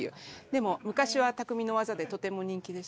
でも昔は匠の技でとても人気でした。